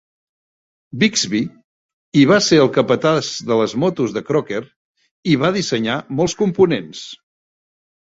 Bigsby, i va ser el capatàs de les motos de Crocker, i va dissenyar molts components.